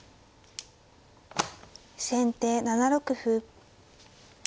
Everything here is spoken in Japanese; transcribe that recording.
先手７六歩。